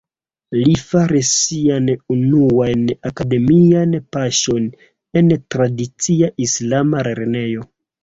Li faris siajn unuajn akademiajn paŝojn en tradicia islama lernejo.